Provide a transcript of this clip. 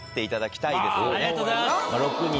ありがとうございます。